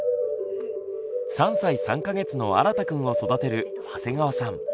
３歳３か月のあらたくんを育てる長谷川さん。